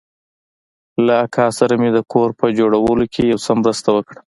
له اکا سره مې د کور په جوړولو کښې يو څه مرسته وکړه.